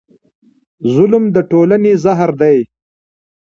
ظلم د ټولنې زهر دی.